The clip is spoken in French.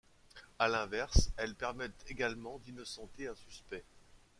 À l'inverse, elles permettent également d'innocenter un suspect.